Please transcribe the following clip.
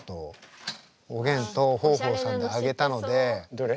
どれ？